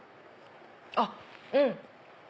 あっうん！